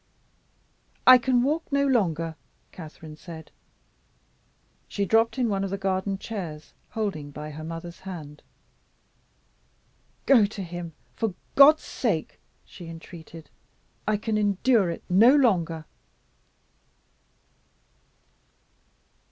"I can walk no longer," Catherine said. She dropped on one of the garden chairs, holding by her mother's hand. "Go to him, for God's sake!" she entreated. "I can endure it no longer."